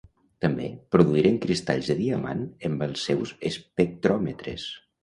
També produïren cristalls de diamant amb els seus espectròmetres.